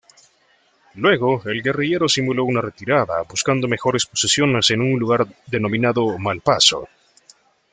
Luego el guerrillero simuló una retirada buscando mejores posiciones en un lugar denominado Malpaso.